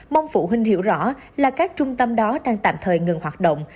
mong phụ huynh hiểu rõ là các trung tâm đó đang tạm thời ngừng hoạt động